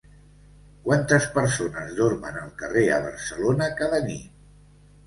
Quantes persones dormen al carrer a Barcelona cada nit?